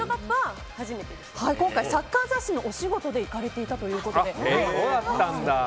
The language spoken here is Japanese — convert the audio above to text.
今回、サッカー雑誌のお仕事で行かれていたということです。